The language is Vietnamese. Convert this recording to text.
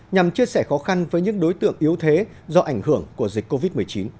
nhằm chia sẻ khó khăn với những đối tượng yếu thế do ảnh hưởng của dịch covid một mươi chín